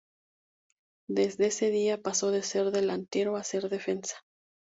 Desde ese día pasó de ser delantero a ser defensa.